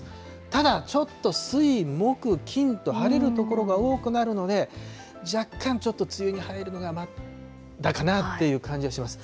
ただ、ちょっと水、木、金と晴れる所が多くなるので、若干ちょっと梅雨に入るのがまだかなという感じがします。